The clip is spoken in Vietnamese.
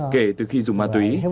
kể từ khi dùng ma túy